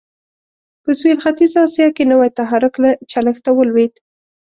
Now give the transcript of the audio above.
په سوېل ختیځه اسیا کې نوی تحرک له چلښته ولوېد.